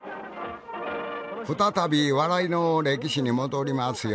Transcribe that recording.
再び笑いの歴史に戻りますよ。